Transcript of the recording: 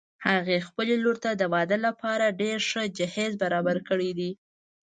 هغې خپلې لور ته د واده لپاره ډېر ښه جهیز برابر کړي دي